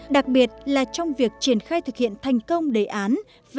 đặc biệt là trong việc triển khai thực hiện thành công đề án